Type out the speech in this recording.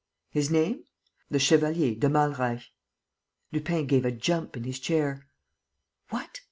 "His name? The Chevalier de Malreich." Lupin gave a jump in his chair: "What?